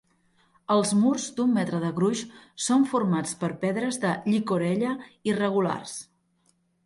Els murs, d'un metre de gruix, són format per pedres de llicorella irregulars.